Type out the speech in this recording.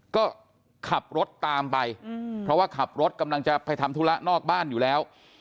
ก็ขับรถตามไปเพราะว่าขับรถกำลังจะไปทำธุระนอกบ้านอยู่แล้ว